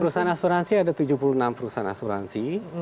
perusahaan asuransi ada tujuh puluh enam perusahaan asuransi